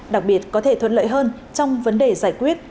đặc biệt có thể thuận lợi hơn trong vấn đề giải quyết